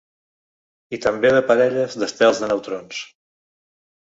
I també de parelles d’estels de neutrons.